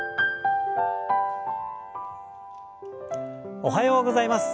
おはようございます。